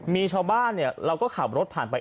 มีชาวบ้านเนี่ยเราก็ขับรถผ่านไป